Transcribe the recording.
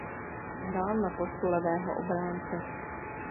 Hrál na postu levého obránce.